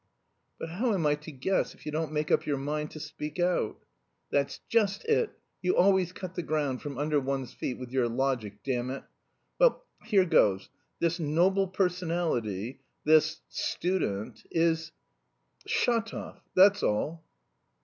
"But how am I to guess if you don't make up your mind to speak out?" "That's just it; you always cut the ground from under one's feet with your logic, damn it.... Well, here goes... this 'noble personality,' this 'student'... is Shatov... that's all."